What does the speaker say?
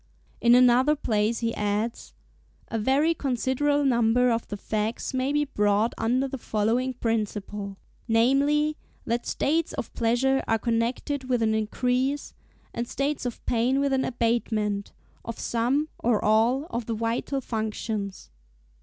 In another place he adds, "A very considerable number of the facts may be brought under the following principle: namely, that states of pleasure are connected with an increase, and states of pain with an abatement, of some, or all, of the vital functions."